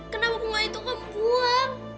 kenapa bunga itu kembua